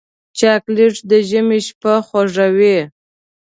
چاکلېټ د ژمي شپه خوږوي.